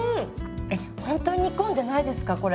えっほんとに煮込んでないですかこれ。